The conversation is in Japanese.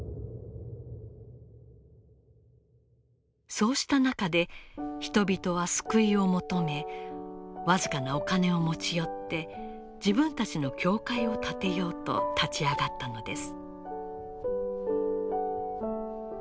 そうした中で人々は救いを求め僅かなお金を持ち寄って自分たちの教会を建てようと立ち上がったのです。